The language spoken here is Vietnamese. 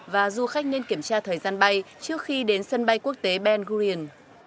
và du khách nên kiểm tra thời gian bay trước khi đến sân bay quốc tế ben gurion